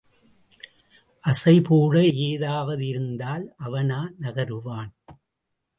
அசை போட ஏதாவது இருந்தால் அவனா நகருவான்?